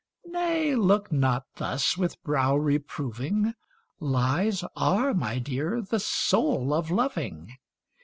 Nay, — look not thus, with brow reproving ; Lies are, my dear, the soul of loving.